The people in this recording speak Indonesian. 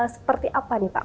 seperti apa nih pak